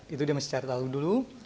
itu dia mesti cari tahu dulu